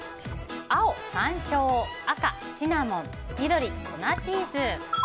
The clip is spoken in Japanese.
青、さんしょう赤、シナモン緑、粉チーズ。